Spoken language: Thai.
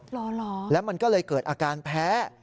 หรอแล้วมันก็เลยเกิดอาการแพ้